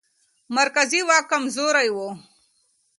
مرکزي واک کمزوری و.